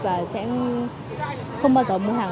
và sẽ không bao giờ mua hàng